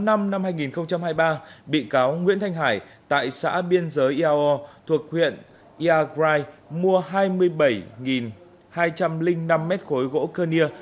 năm hai nghìn hai mươi ba bị cáo nguyễn thanh hải tại xã biên giới iao thuộc huyện iagrai mua hai mươi bảy hai trăm linh năm mét khối gỗ cơ nia